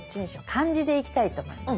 漢字でいきたいと思います。